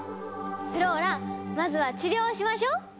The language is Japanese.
フローラまずは治療をしましょう！